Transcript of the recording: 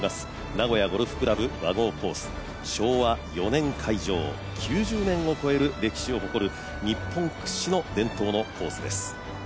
名古屋ゴルフ倶楽部和合コース、昭和４年開場、９０年を超える歴史を誇る日本屈指の伝統のコースです。